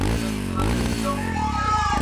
سازمانونه به د بیان ازادي ساتي.